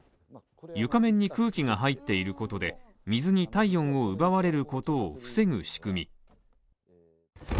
床面に空気が入っていることで、水に体温を奪われることを防ぐ仕組み。